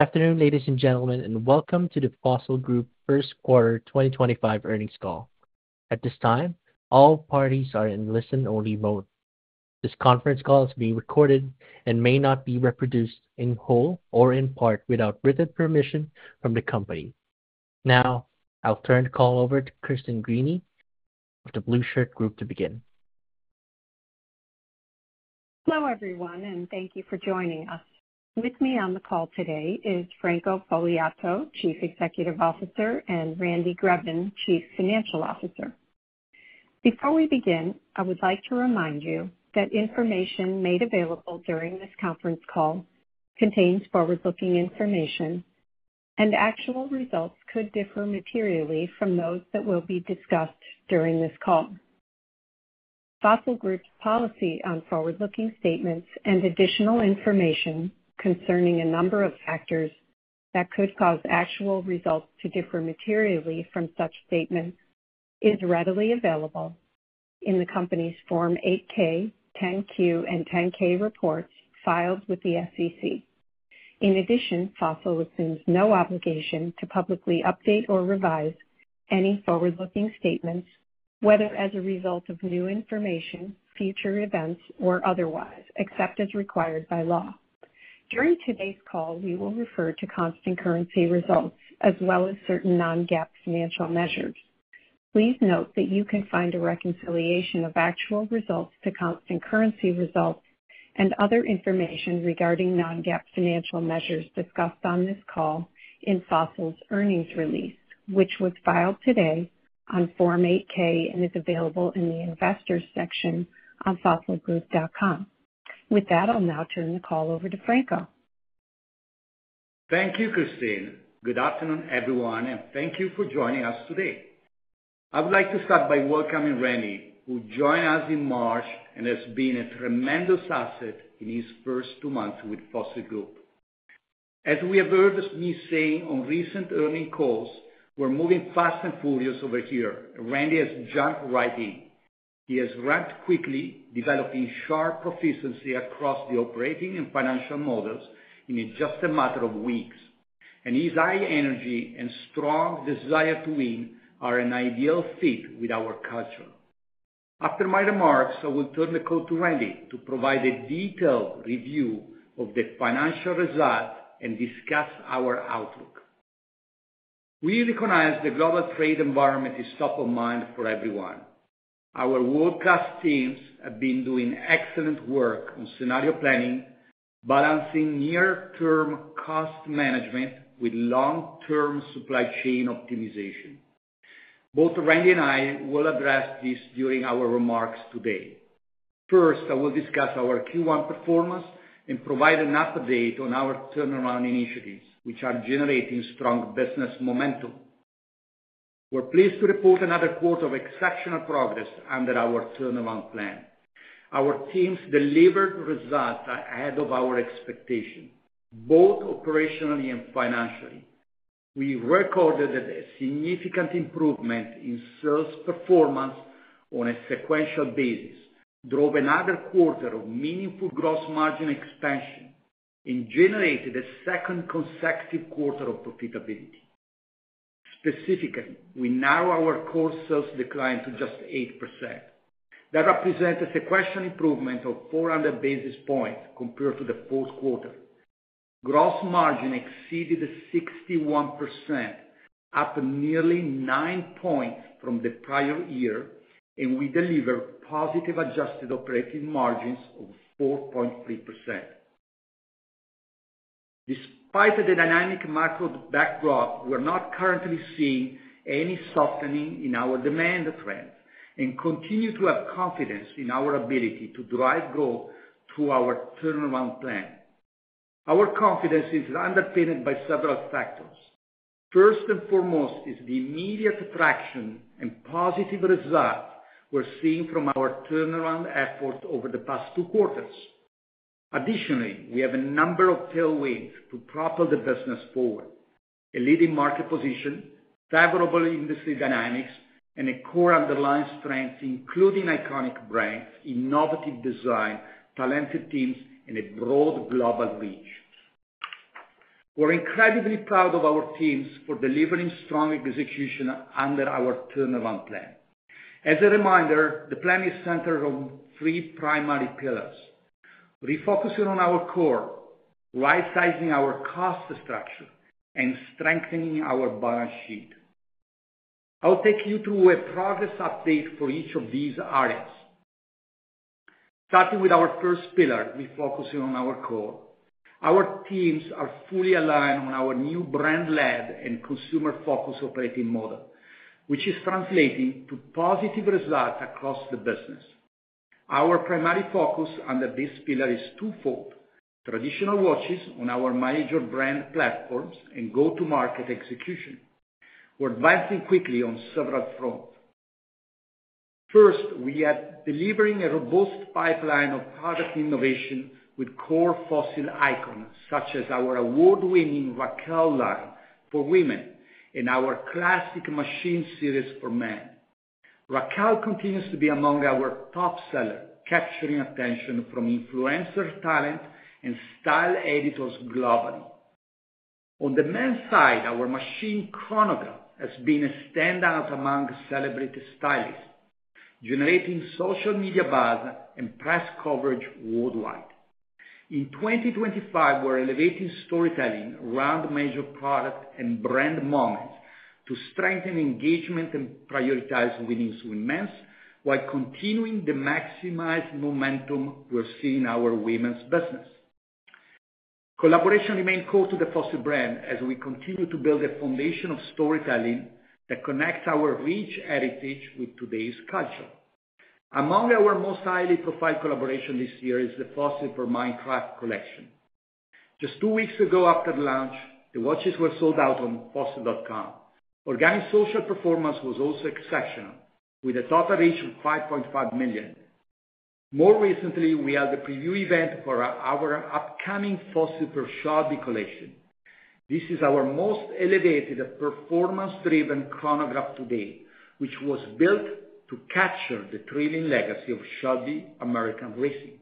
Good afternoon, ladies and gentlemen, and welcome to the Fossil Group First Quarter 2025 earnings call. At this time, all parties are in listen-only mode. This conference call is being recorded and may not be reproduced in whole or in part without written permission from the company. Now, I'll turn the call over to Christine Greany of the Blueshirt Group to begin. Hello, everyone, and thank you for joining us. With me on the call today is Franco Fogliato, Chief Executive Officer, and Randy Greben, Chief Financial Officer. Before we begin, I would like to remind you that information made available during this conference call contains forward-looking information, and actual results could differ materially from those that will be discussed during this call. Fossil Group's policy on forward-looking statements and additional information concerning a number of factors that could cause actual results to differ materially from such statements is readily available in the company's Form 8-K, 10-Q, and 10-K reports filed with the SEC. In addition, Fossil Group assumes no obligation to publicly update or revise any forward-looking statements, whether as a result of new information, future events, or otherwise, except as required by law. During today's call, we will refer to constant currency results as well as certain non-GAAP financial measures. Please note that you can find a reconciliation of actual results to constant currency results and other information regarding non-GAAP financial measures discussed on this call in Fossil's earnings release, which was filed today on Form 8-K and is available in the Investor's section on fossilgroup.com. With that, I'll now turn the call over to Franco. Thank you, Christine. Good afternoon, everyone, and thank you for joining us today. I would like to start by welcoming Randy, who joined us in March and has been a tremendous asset in his first two months with Fossil Group. As you have heard me say on recent earnings calls, we're moving fast and furious over here, and Randy has jumped right in. He has ramped quickly, developing sharp proficiency across the operating and financial models in just a matter of weeks, and his high energy and strong desire to win are an ideal fit with our culture. After my remarks, I will turn the call to Randy to provide a detailed review of the financial results and discuss our outlook. We recognize the global trade environment is top of mind for everyone. Our world-class teams have been doing excellent work on scenario planning, balancing near-term cost management with long-term supply chain optimization. Both Randy and I will address this during our remarks today. First, I will discuss our Q1 performance and provide an update on our turnaround initiatives, which are generating strong business momentum. We're pleased to report another quarter of exceptional progress under our turnaround plan. Our teams delivered results ahead of our expectations, both operationally and financially. We recorded a significant improvement in sales performance on a sequential basis, drove another quarter of meaningful gross margin expansion, and generated a second consecutive quarter of profitability. Specifically, we narrow our core sales decline to just 8%. That represents a sequential improvement of 400 basis points compared to the fourth quarter. Gross margin exceeded 61%, up nearly 9 points from the prior year, and we delivered positive adjusted operating margins of 4.3%. Despite the dynamic macro backdrop, we're not currently seeing any softening in our demand trends and continue to have confidence in our ability to drive growth through our turnaround plan. Our confidence is underpinned by several factors. First and foremost is the immediate attraction and positive result we're seeing from our turnaround efforts over the past two quarters. Additionally, we have a number of tailwinds to propel the business forward: a leading market position, favorable industry dynamics, and a core underlying strength, including iconic brands, innovative design, talented teams, and a broad global reach. We're incredibly proud of our teams for delivering strong execution under our turnaround plan. As a reminder, the plan is centered on three primary pillars: refocusing on our core, right-sizing our cost structure, and strengthening our balance sheet. I'll take you through a progress update for each of these areas. Starting with our first pillar, refocusing on our core, our teams are fully aligned on our new brand-led and consumer-focused operating model, which is translating to positive results across the business. Our primary focus under this pillar is twofold: traditional watches on our major brand platforms and go-to-market execution. We're advancing quickly on several fronts. First, we are delivering a robust pipeline of product innovation with core Fossil icons such as our award-winning Raquel line for women and our classic Machine series for men. Raquel continues to be among our top sellers, capturing attention from influencer talent and style editors globally. On the men's side, our Machine chronograph has been a standout among celebrity stylists, generating social media buzz and press coverage worldwide. In 2025, we're elevating storytelling around major product and brand moments to strengthen engagement and prioritize winnings with men while continuing to maximize momentum we're seeing in our women's business. Collaboration remains core to the Fossil brand as we continue to build a foundation of storytelling that connects our rich heritage with today's culture. Among our most highly profiled collaborations this year is the Fossil for Minecraft collection. Just two weeks ago after launch, the watches were sold out on fossil.com. Organic social performance was also exceptional, with a total reach of 5.5 million. More recently, we held a preview event for our upcoming Fossil for Shelby collection. This is our most elevated performance-driven chronograph today, which was built to capture the thrilling legacy of Shelby American Racing.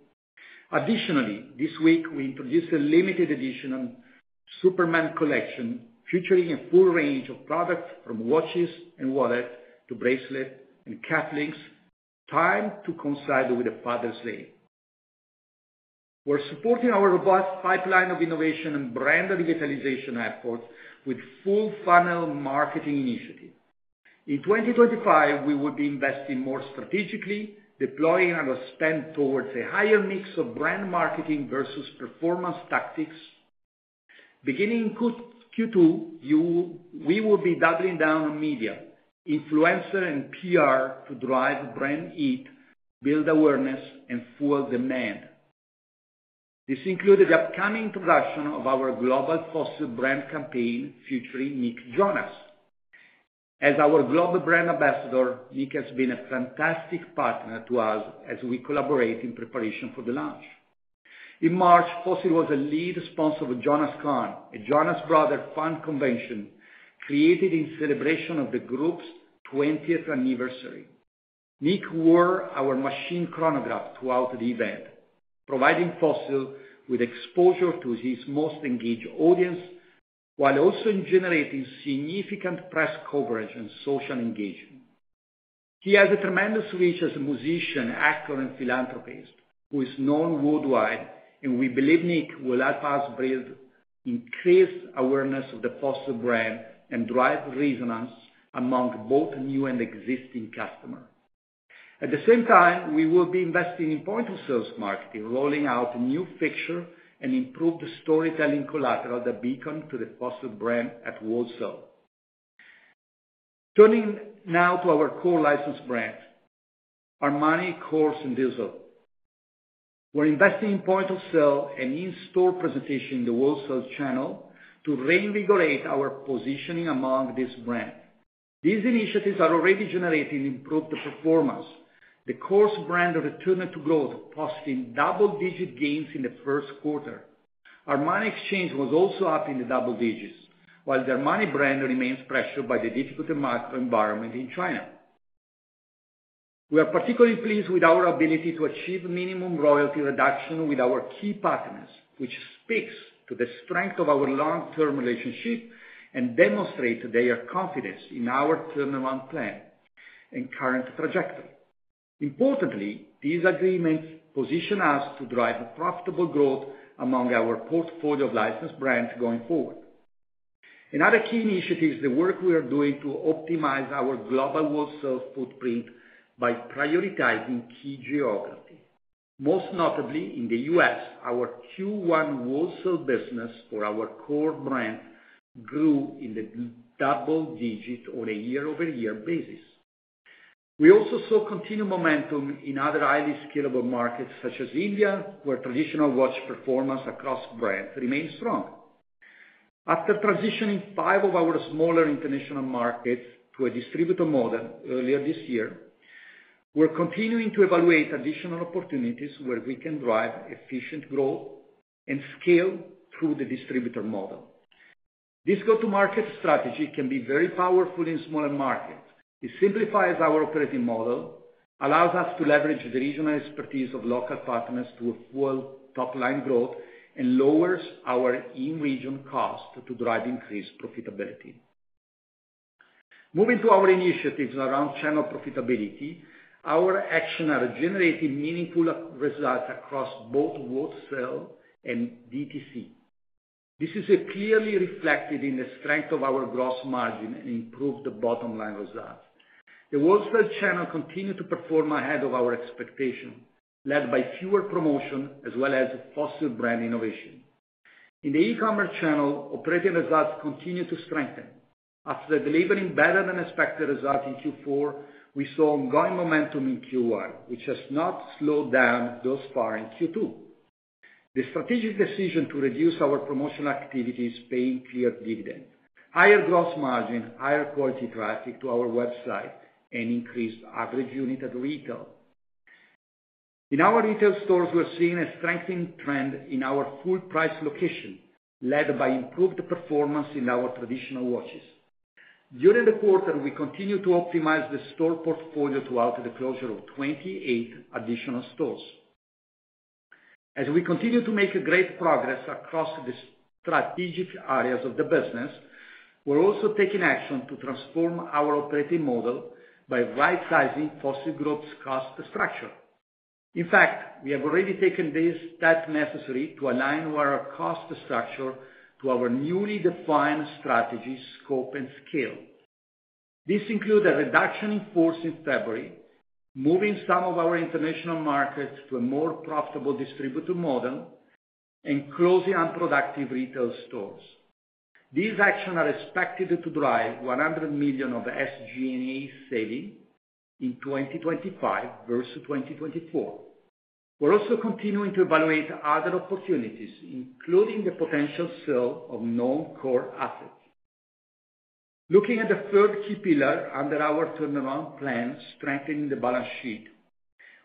Additionally, this week, we introduced a limited edition Superman collection, featuring a full range of products from watches and wallets to bracelets and cuff links, timed to coincide with Father's Day. We're supporting our robust pipeline of innovation and brand revitalization efforts with full-funnel marketing initiatives. In 2025, we will be investing more strategically, deploying our spend towards a higher mix of brand marketing versus performance tactics. Beginning in Q2, we will be doubling down on media, influencer, and PR to drive brand heat, build awareness, and fuel demand. This includes the upcoming introduction of our global Fossil brand campaign, featuring Nick Jonas. As our global brand ambassador, Nick has been a fantastic partner to us as we collaborate in preparation for the launch. In March, Fossil was a lead sponsor of JONASCON, a Jonas Brothers fan convention created in celebration of the group's 20th anniversary. Nick wore our Machine chronograph throughout the event, providing Fossil with exposure to his most engaged audience while also generating significant press coverage and social engagement. He has a tremendous reach as a musician, actor, and philanthropist who is known worldwide, and we believe Nick will help us build increased awareness of the Fossil brand and drive resonance among both new and existing customers. At the same time, we will be investing in point-of-sale marketing, rolling out a new fixture and improved storytelling collateral that becomes the Fossil brand at World Sale. Turning now to our core licensed brands, Armani, Kors, and Diesel. We're investing in point-of-sale and in-store presentation in the World Sales Channel to reinvigorate our positioning among this brand. These initiatives are already generating improved performance. The Kors brand returned to growth, posting double-digit gains in the first quarter. Armani Exchange was also up in the double digits, while the Armani brand remains pressured by the difficult macro environment in China. We are particularly pleased with our ability to achieve minimum royalty reduction with our key partners, which speaks to the strength of our long-term relationship and demonstrates their confidence in our turnaround plan and current trajectory. Importantly, these agreements position us to drive profitable growth among our portfolio of licensed brands going forward. Another key initiative is the work we are doing to optimize our global world sales footprint by prioritizing key geography. Most notably, in the U.S., our Q1 world sales business for our core brand grew in the double digit on a year-over-year basis. We also saw continued momentum in other highly scalable markets such as India, where traditional watch performance across brands remains strong. After transitioning five of our smaller international markets to a distributor model earlier this year, we're continuing to evaluate additional opportunities where we can drive efficient growth and scale through the distributor model. This go-to-market strategy can be very powerful in smaller markets. It simplifies our operating model, allows us to leverage the regional expertise of local partners to afford top-line growth, and lowers our in-region cost to drive increased profitability. Moving to our initiatives around channel profitability, our actions are generating meaningful results across both wholesale and DTC. This is clearly reflected in the strength of our gross margin and improved bottom-line results. The wholesale channel continues to perform ahead of our expectations, led by fewer promotions as well as Fossil brand innovation. In the e-commerce channel, operating results continue to strengthen. After delivering better-than-expected results in Q4, we saw ongoing momentum in Q1, which has not slowed down thus far in Q2. The strategic decision to reduce our promotional activities paid clear dividends: higher gross margin, higher quality traffic to our website, and increased average unit at retail. In our retail stores, we're seeing a strengthening trend in our full-price location, led by improved performance in our traditional watches. During the quarter, we continue to optimize the store portfolio throughout the closure of 28 additional stores. As we continue to make great progress across the strategic areas of the business, we're also taking action to transform our operating model by right-sizing Fossil Group's cost structure. In fact, we have already taken steps necessary to align our cost structure to our newly defined strategies, scope, and scale. This includes a reduction in force in February, moving some of our international markets to a more profitable distributor model, and closing unproductive retail stores. These actions are expected to drive $100 million of SG&A selling in 2025 versus 2024. We're also continuing to evaluate other opportunities, including the potential sale of non-core assets. Looking at the third key pillar under our turnaround plan, strengthening the balance sheet,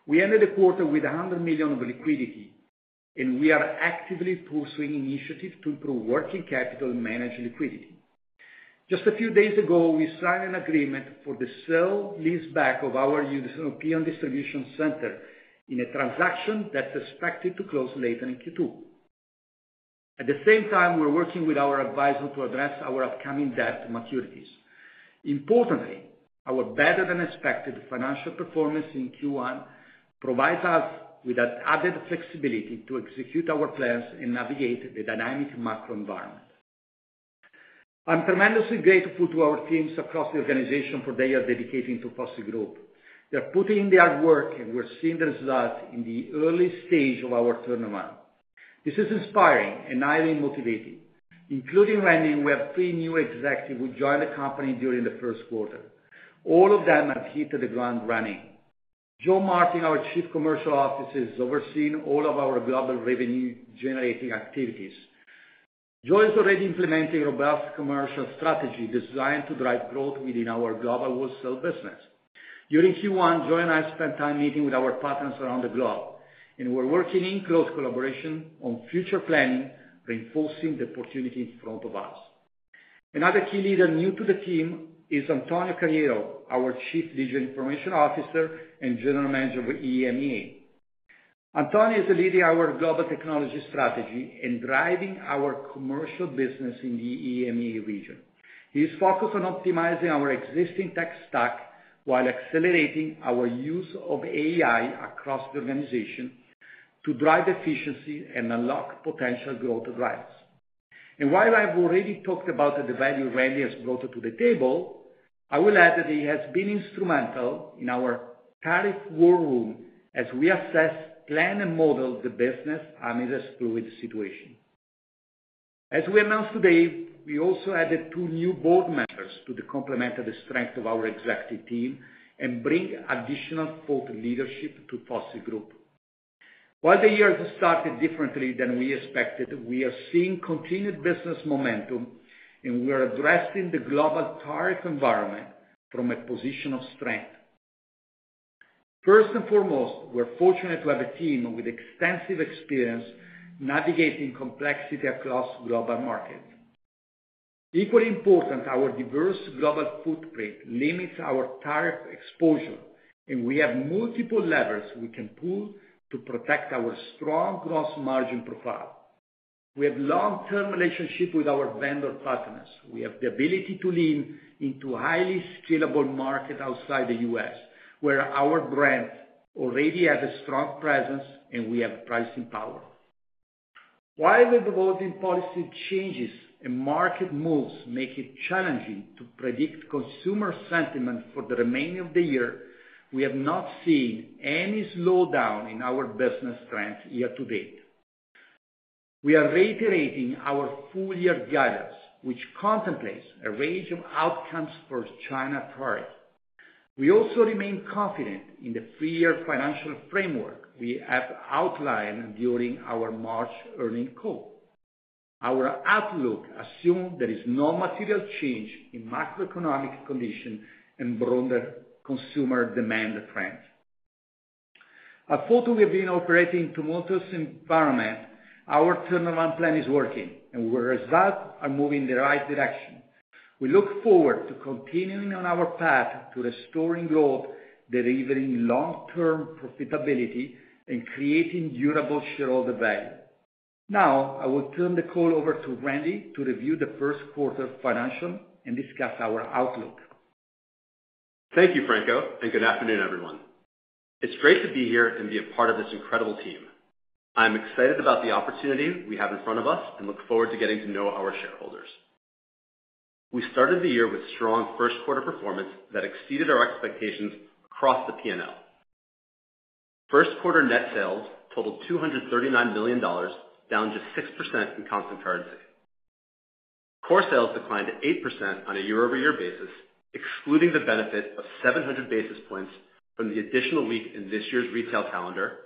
we ended the quarter with $100 million of liquidity, and we are actively pursuing initiatives to improve working capital and manage liquidity. Just a few days ago, we signed an agreement for the sale lease-back of our European distribution center in a transaction that's expected to close later in Q2. At the same time, we're working with our advisor to address our upcoming debt maturities. Importantly, our better-than-expected financial performance in Q1 provides us with added flexibility to execute our plans and navigate the dynamic macro environment. I'm tremendously grateful to our teams across the organization for their dedication to Fossil Group. They're putting in their work, and we're seeing the results in the early stage of our turnaround. This is inspiring and highly motivating. Including Randy, we have three new executives who joined the company during the first quarter. All of them have hit the ground running. Joe Martin, our Chief Commercial Officer, is overseeing all of our global revenue-generating activities. Joe is already implementing a robust commercial strategy designed to drive growth within our global World Sale business. During Q1, Joe and I spent time meeting with our partners around the globe, and we're working in close collaboration on future planning, reinforcing the opportunity in front of us. Another key leader new to the team is Antonio Carraro, our Chief Digital Information Officer and General Manager of EMEA. Antonio is leading our global technology strategy and driving our commercial business in the EMEA region. He is focused on optimizing our existing tech stack while accelerating our use of AI across the organization to drive efficiency and unlock potential growth drives. While I've already talked about the value Randy has brought to the table, I will add that he has been instrumental in our tariff war room as we assess, plan, and model the business amidst a fluid situation. As we announced today, we also added two new board members to complement the strength of our executive team and bring additional thought leadership to Fossil Group. While the year has started differently than we expected, we are seeing continued business momentum, and we are addressing the global tariff environment from a position of strength. First and foremost, we're fortunate to have a team with extensive experience navigating complexity across global markets. Equally important, our diverse global footprint limits our tariff exposure, and we have multiple levers we can pull to protect our strong gross margin profile. We have a long-term relationship with our vendor partners. We have the ability to lean into highly scalable markets outside the U.S., where our brand already has a strong presence and we have pricing power. While the evolving policy changes and market moves make it challenging to predict consumer sentiment for the remainder of the year, we have not seen any slowdown in our business strength year to date. We are reiterating our full-year guidance, which contemplates a range of outcomes for China priority. We also remain confident in the three-year financial framework we have outlined during our March earnings call. Our outlook assumes there is no material change in macroeconomic conditions and broader consumer demand trends. Although we have been operating in a tumultuous environment, our turnaround plan is working, and the results are moving in the right direction. We look forward to continuing on our path to restoring growth, delivering long-term profitability, and creating durable shareholder value. Now, I will turn the call over to Randy to review the first quarter financial and discuss our outlook. Thank you, Franco, and good afternoon, everyone. It's great to be here and be a part of this incredible team. I'm excited about the opportunity we have in front of us and look forward to getting to know our shareholders. We started the year with strong first-quarter performance that exceeded our expectations across the P&L. First-quarter net sales totaled $239 million, down just 6% in constant currency. Core sales declined 8% on a year-over-year basis, excluding the benefit of 700 basis points from the additional week in this year's retail calendar,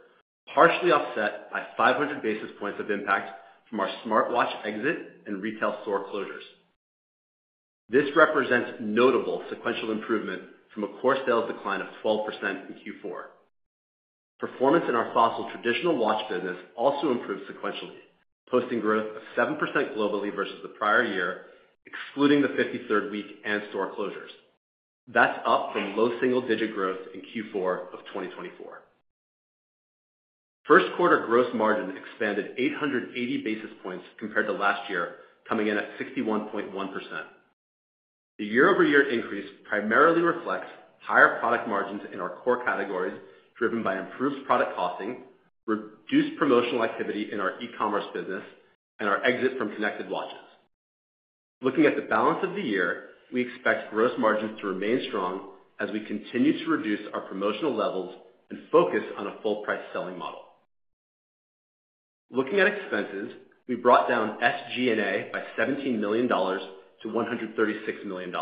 partially offset by 500 basis points of impact from our smartwatch exit and retail store closures. This represents notable sequential improvement from a core sales decline of 12% in Q4. Performance in our Fossil traditional watch business also improved sequentially, posting growth of 7% globally versus the prior year, excluding the 53rd week and store closures. That's up from low single-digit growth in Q4 of 2024. First-quarter gross margin expanded 880 basis points compared to last year, coming in at 61.1%. The year-over-year increase primarily reflects higher product margins in our core categories driven by improved product costing, reduced promotional activity in our e-commerce business, and our exit from connected watches. Looking at the balance of the year, we expect gross margins to remain strong as we continue to reduce our promotional levels and focus on a full-price selling model. Looking at expenses, we brought down SG&A by $17 million to $136 million.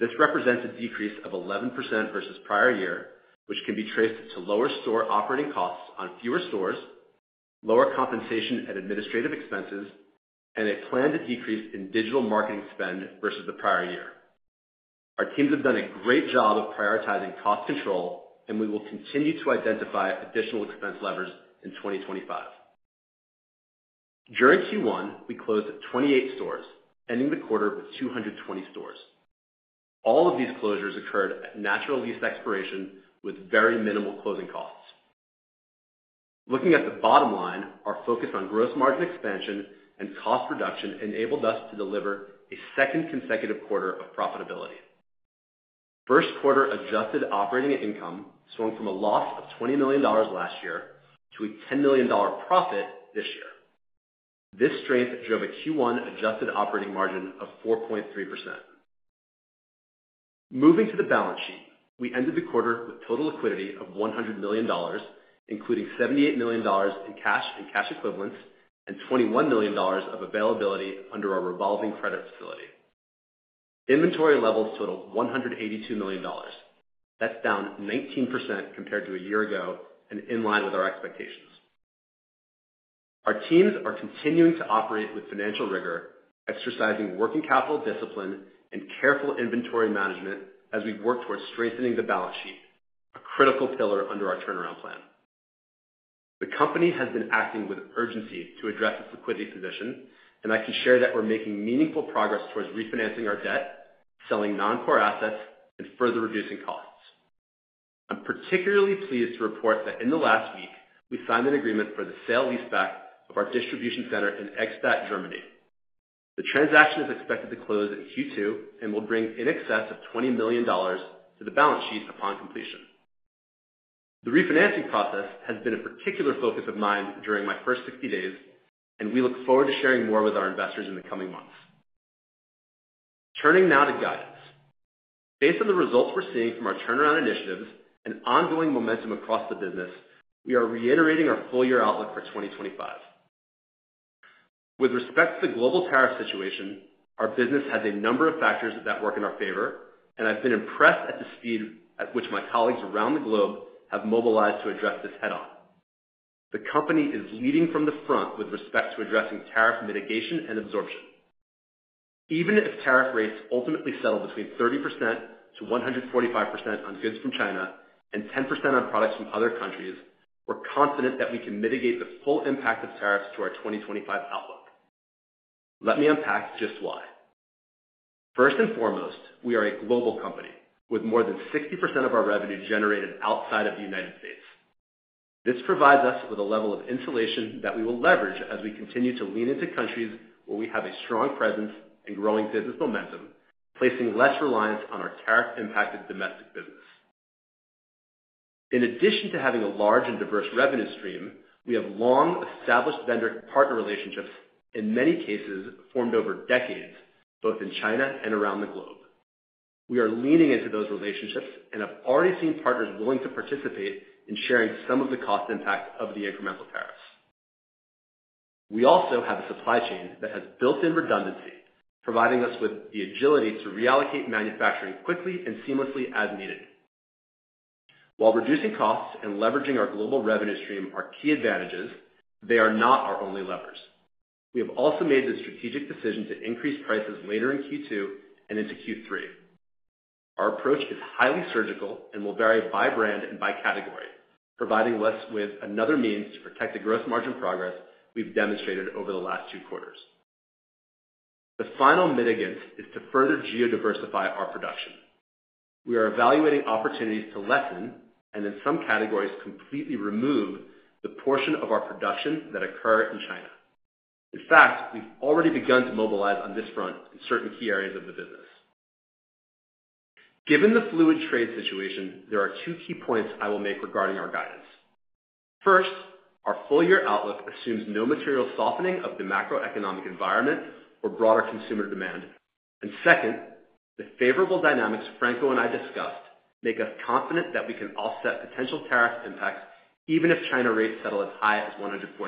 This represents a decrease of 11% versus prior year, which can be traced to lower store operating costs on fewer stores, lower compensation and administrative expenses, and a planned decrease in digital marketing spend versus the prior year. Our teams have done a great job of prioritizing cost control, and we will continue to identify additional expense levers in 2025. During Q1, we closed 28 stores, ending the quarter with 220 stores. All of these closures occurred at natural lease expiration with very minimal closing costs. Looking at the bottom line, our focus on gross margin expansion and cost reduction enabled us to deliver a second consecutive quarter of profitability. First-quarter adjusted operating income swung from a loss of $20 million last year to a $10 million profit this year. This strength drove a Q1 adjusted operating margin of 4.3%. Moving to the balance sheet, we ended the quarter with total liquidity of $100 million, including $78 million in cash and cash equivalents and $21 million of availability under our revolving credit facility. Inventory levels totaled $182 million. That's down 19% compared to a year ago and in line with our expectations. Our teams are continuing to operate with financial rigor, exercising working capital discipline, and careful inventory management as we work towards strengthening the balance sheet, a critical pillar under our turnaround plan. The company has been acting with urgency to address its liquidity position, and I can share that we're making meaningful progress towards refinancing our debt, selling non-core assets, and further reducing costs. I'm particularly pleased to report that in the last week, we signed an agreement for the sale lease-back of our distribution center in Eschborn, Germany. The transaction is expected to close in Q2 and will bring in excess of $20 million to the balance sheet upon completion. The refinancing process has been a particular focus of mine during my first 60 days, and we look forward to sharing more with our investors in the coming months. Turning now to guidance. Based on the results we're seeing from our turnaround initiatives and ongoing momentum across the business, we are reiterating our full-year outlook for 2025. With respect to the global tariff situation, our business has a number of factors that work in our favor, and I've been impressed at the speed at which my colleagues around the globe have mobilized to address this head-on. The company is leading from the front with respect to addressing tariff mitigation and absorption. Even if tariff rates ultimately settle between 30%-145% on goods from China and 10% on products from other countries, we're confident that we can mitigate the full impact of tariffs to our 2025 outlook. Let me unpack just why. First and foremost, we are a global company with more than 60% of our revenue generated outside of the U.S. This provides us with a level of insulation that we will leverage as we continue to lean into countries where we have a strong presence and growing business momentum, placing less reliance on our tariff-impacted domestic business. In addition to having a large and diverse revenue stream, we have long-established vendor-partner relationships, in many cases formed over decades, both in China and around the globe. We are leaning into those relationships and have already seen partners willing to participate in sharing some of the cost impact of the incremental tariffs. We also have a supply chain that has built-in redundancy, providing us with the agility to reallocate manufacturing quickly and seamlessly as needed. While reducing costs and leveraging our global revenue stream are key advantages, they are not our only levers. We have also made the strategic decision to increase prices later in Q2 and into Q3. Our approach is highly surgical and will vary by brand and by category, providing us with another means to protect the gross margin progress we have demonstrated over the last two quarters. The final mitigant is to further geo-diversify our production. We are evaluating opportunities to lessen and, in some categories, completely remove the portion of our production that occurs in China. In fact, we have already begun to mobilize on this front in certain key areas of the business. Given the fluid trade situation, there are two key points I will make regarding our guidance. First, our full-year outlook assumes no material softening of the macroeconomic environment or broader consumer demand. Second, the favorable dynamics Franco and I discussed make us confident that we can offset potential tariff impacts even if China rates settle as high as 145%.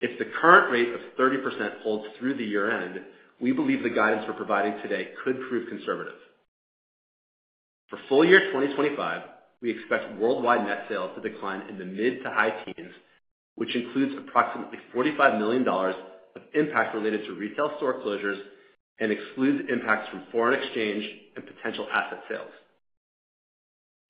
If the current rate of 30% holds through the year-end, we believe the guidance we're providing today could prove conservative. For full-year 2025, we expect worldwide net sales to decline in the mid to high teens, which includes approximately $45 million of impact related to retail store closures and excludes impacts from foreign exchange and potential asset sales.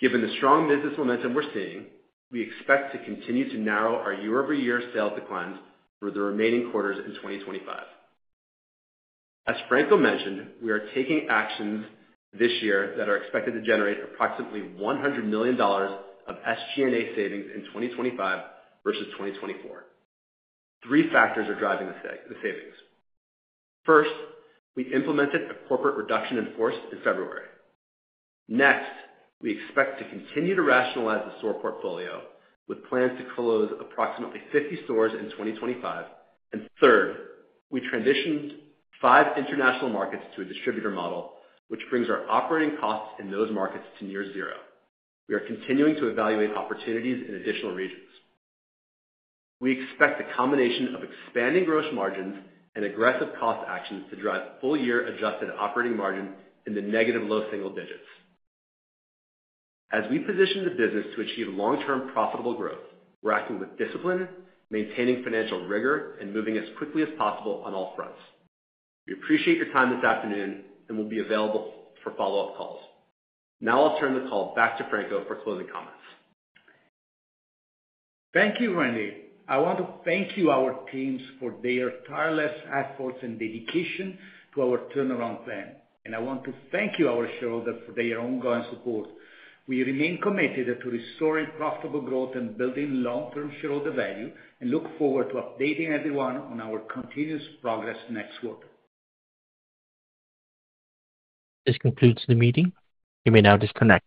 Given the strong business momentum we're seeing, we expect to continue to narrow our year-over-year sales declines for the remaining quarters in 2025. As Franco mentioned, we are taking actions this year that are expected to generate approximately $100 million of SG&A savings in 2025 versus 2024. Three factors are driving the savings. First, we implemented a corporate reduction in force in February. Next, we expect to continue to rationalize the store portfolio with plans to close approximately 50 stores in 2025. Third, we transitioned five international markets to a distributor model, which brings our operating costs in those markets to near zero. We are continuing to evaluate opportunities in additional regions. We expect a combination of expanding gross margins and aggressive cost actions to drive full-year adjusted operating margin in the negative low single digits. As we position the business to achieve long-term profitable growth, we are acting with discipline, maintaining financial rigor, and moving as quickly as possible on all fronts. We appreciate your time this afternoon and will be available for follow-up calls. Now I will turn the call back to Franco for closing comments. Thank you, Randy. I want to thank our teams for their tireless efforts and dedication to our turnaround plan. I want to thank our shareholders for their ongoing support. We remain committed to restoring profitable growth and building long-term shareholder value, and look forward to updating everyone on our continuous progress next quarter. This concludes the meeting. You may now disconnect.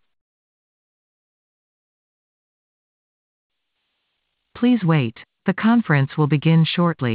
Please wait. The conference will begin shortly.